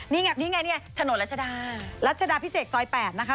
นี่ไงนี่ไงนี่ไงถนนรัชดารัชดาพิเศษซอย๘นะคะ